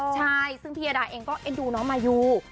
ใช่ซึ่งพี่ยาดาเองก็เอ็นดูน้องมายู